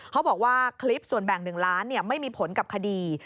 เขาบอกว่าคลิปส่วนแบ่ง๑ล้านไม่มีผลกับคดี